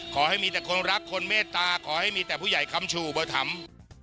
ขอให้มีแต่คนรักคนเมตตาขอให้มีแต่ผู้ใหญ่คำชูอุโบถัมภ์